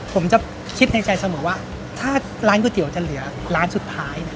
ผมจะคิดในใจเสมอว่าถ้าร้านก๋วยเตี๋ยวจะเหลือร้านสุดท้ายเนี่ย